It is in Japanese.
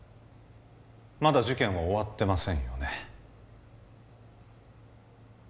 まだ事件は終わってませんよね